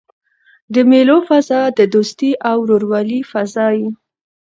د مېلو فضا د دوستۍ او ورورولۍ فضا يي.